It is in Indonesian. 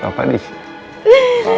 pampuk tg dan